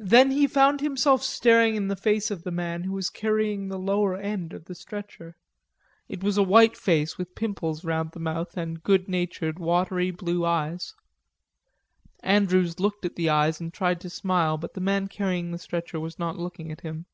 Then he found himself staring in the face of the man who was carrying the lower end of the stretcher. It was a white face with pimples round the mouth and good natured, watery blue eyes. Andrews looked at the eyes and tried to smile, but the man carrying the stretcher was not looking at him.